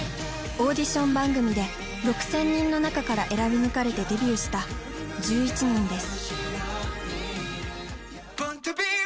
オーディション番組で６，０００人の中から選び抜かれてデビューした１１人です。